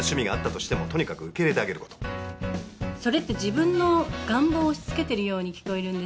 それって自分の願望を押し付けてるように聞こえるんですけど。